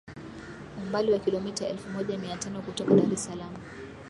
umbali wa kilometa elfu moja mia tano kutoka Dar es Salaam